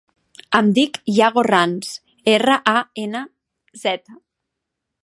Em dic Yago Ranz: erra, a, ena, zeta.